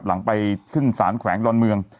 หลังไปขึ้นสารแขวงดอนเมือง